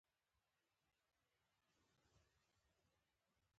تر دویمې نړیوالې جګړې راوروسته لسیزو کې.